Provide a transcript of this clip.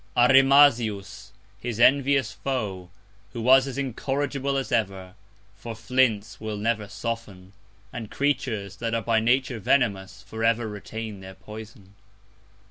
Arimazius, his envious Foe, who was as incorrigible as ever; for Flints will never soften; and Creatures, that are by Nature venemous, forever retain their Poison.